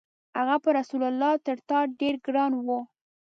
هغه پر رسول الله تر تا ډېر ګران و.